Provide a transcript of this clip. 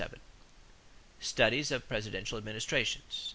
=Studies of Presidential Administrations.